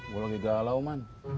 gue lagi galau man